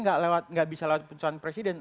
nggak bisa lewat keputusan presiden